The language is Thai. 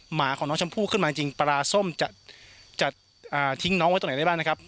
หมาของน้องชมพู่ขึ้นมาจริงปลาส้มจะทิ้งน้องไว้ตรงไหนได้บ้างนะครับ